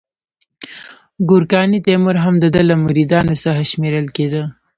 ګورکاني تیمور هم د ده له مریدانو څخه شمیرل کېده.